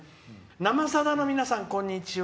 「『生さだ』の皆さんこんにちは